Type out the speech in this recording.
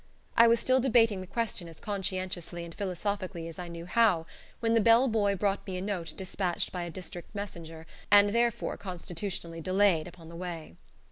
I was still debating the question as conscientiously and philosophically as I knew how, when the bell boy brought me a note despatched by a district messenger, and therefore constitutionally delayed upon the way.